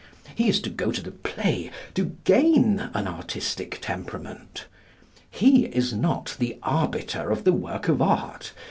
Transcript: He is to go to the play to gain an artistic temperament. He is not the arbiter of the work of art.